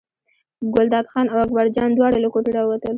ګلداد خان او اکبرجان دواړه له کوټې راووتل.